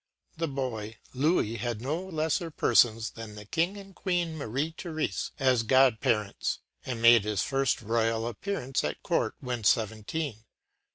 The boy Louis had no lesser persons than the King and Queen Marie Therese as godparents, and made his first formal appearance at Court when seventeen.